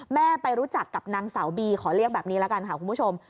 ไปรู้จักกับนางสาวบีขอเรียกแบบนี้ละกันค่ะคุณผู้ชม